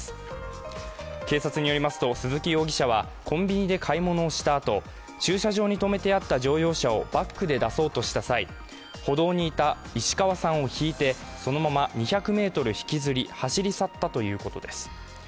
コンビニで買い物をしたあと駐車場に止めてあった乗用車をバックで出そうとした際、歩道にいた石河さんをひいて、そのまま２００ｍ引きずり走り去ったということです。